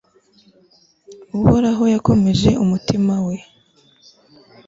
uhoraho yakomeje umutima we